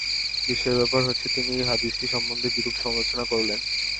বিস্ময়ের ব্যাপার হচ্ছে, তিনি এই হাদীসটি সম্বন্ধে বিরূপ সমালোচনা করলেন।